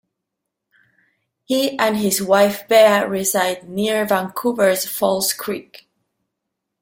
He and his wife Bea reside near Vancouver's False Creek.